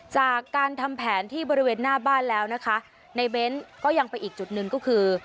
จากการทำแผนที่บริเวณหน้าบ้านแล้วนะคะในเบ้นก็ยังไปอีกจุดหนึ่งก็คือ